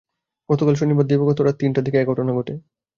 গতকাল শনিবার দিবাগত রাত তিনটার দিকে এ ঘটনা ঘটে।